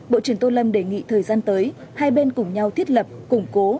bộ trưởng tô lâm đề nghị thời gian tới hai bên cùng nhau thiết lập củng cố